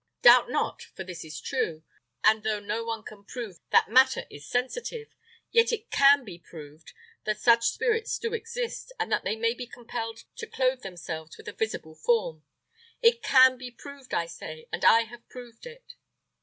Doubt not, for this is true; and though no one can prove that matter is sensitive, yet it can be proved that such spirits do exist, and that they may be compelled to clothe themselves with a visible form. It can be proved, I say, and I have proved it."